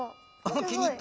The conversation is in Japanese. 気に入った！